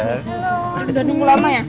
udah nunggu lama ya